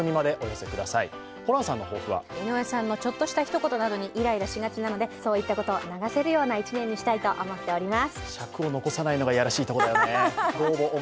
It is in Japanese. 井上さんのちょっとした一言などにイライラしがちなのでそういったことを流せるような一年にしたいと思っております。